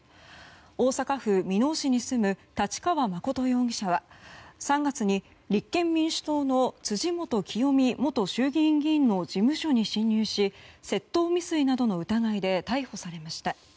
大阪市箕面市に住む太刀川誠容疑者は３月に立憲民主党の辻元清美元衆議院議員の事務所に侵入し窃盗未遂などの疑いで逮捕されました。